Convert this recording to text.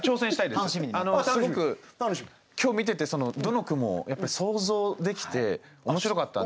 すごく今日見ててどの句もやっぱり想像できて面白かったんで。